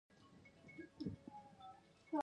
د زده کړو د کموالي ستونزه ځوانان ځوروي.